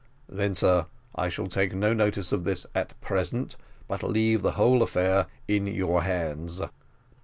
Then, sir, I shall take no notice of this at present, but leave the whole affair in your hands."